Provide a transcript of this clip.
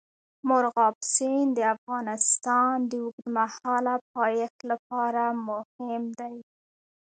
مورغاب سیند د افغانستان د اوږدمهاله پایښت لپاره مهم دی.